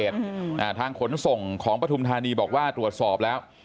ทางขนส่งของปฐุมธานีบอกว่าตรวจสอบแล้ว